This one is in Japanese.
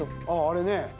あれね。